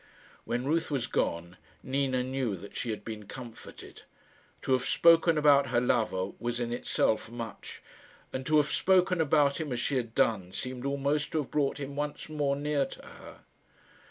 When Ruth was gone, Nina knew that she had been comforted. To have spoken about her lover was in itself much; and to have spoken about him as she had done seemed almost to have brought him once more near to her.